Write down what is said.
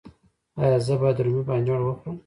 ایا زه باید رومی بانجان وخورم؟